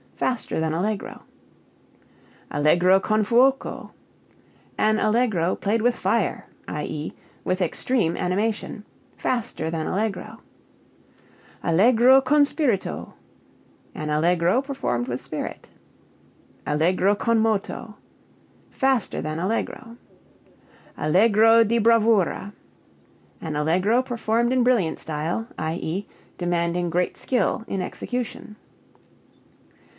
Faster than allegro. Allegro con fuoco an allegro played with fire, i.e., with extreme animation. Faster than allegro. Allegro con spirito an allegro performed with spirit. Allegro con moto faster than allegro. Allegro di bravura an allegro performed in brilliant style, i.e., demanding great skill in execution.